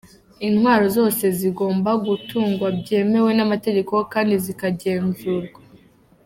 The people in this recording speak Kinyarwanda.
Intwaro zose zigomba gutungwa byemewe n’amategeko kandi zikagenzurwa.